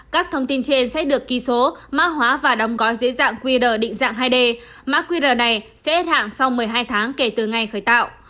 các thông tin trên sẽ được ký số mã hóa và đóng gói dưới dạng qr định dạng hai d mã qr này sẽ hết hạn sau một mươi hai tháng kể từ ngày khởi tạo